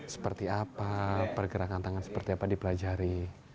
seperti apa pergerakan tangan seperti apa dipelajari